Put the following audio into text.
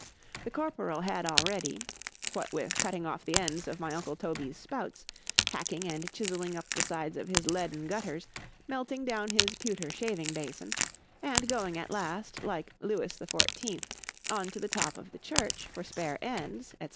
The corporal had already,—what with cutting off the ends of my uncle Toby's spouts—hacking and chiseling up the sides of his leaden gutters,—melting down his pewter shaving bason,—and going at last, like Lewis the Fourteenth, on to the top of the church, for spare ends, &c.